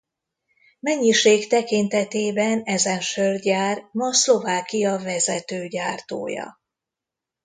Mennyiség tekintetében ezen sörgyár ma Szlovákia vezető gyártója.